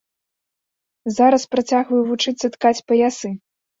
Зараз працягваю вучыцца ткаць паясы.